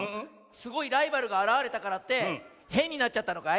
すごいライバルがあらわれたからってへんになっちゃったのかい？